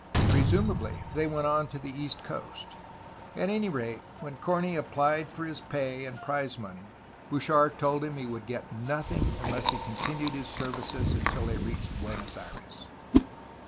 Presumably, they went on to the east coast; at any rate, when Corney applied for his pay and prize money Bouchard told him he would get nothing unless he continued his services until they reached Buenos Aires.